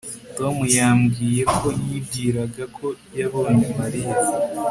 Tom yambwiye ko yibwiraga ko yabonye Mariya